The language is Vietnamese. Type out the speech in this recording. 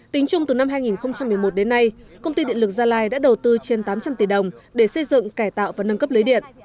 tính chung từ năm hai nghìn một mươi một đến nay công ty điện lực gia lai đã đầu tư trên tám trăm linh tỷ đồng để xây dựng cải tạo và nâng cấp lưới điện